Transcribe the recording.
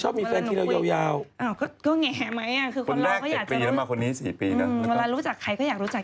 พี่เมนร้องไห้อย่างนี้เลยหนูไม่อยากพูด